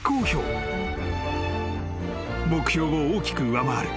［目標を大きく上回る］